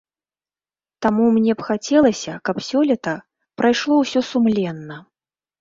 Таму мне б хацелася, каб сёлета прайшло ўсё сумленна.